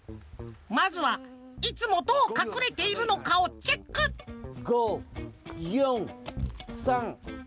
まずはいつもどうかくれているのかをチェック５４３２１。